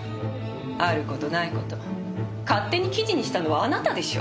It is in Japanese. ある事ない事勝手に記事にしたのはあなたでしょ。